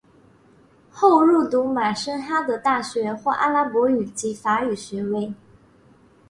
后入读马什哈德大学获阿拉伯语及法语学位。